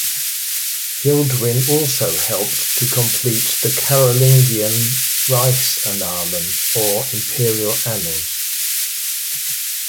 Hilduin also helped to complete the Carolingian "Reichsannalen", or imperial annals.